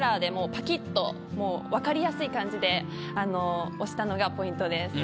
パキッともうわかりやすい感じで押したのがポイントです。